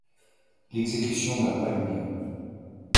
L'exécution n'a pas eu lieu.